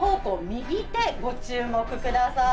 右手ご注目ください。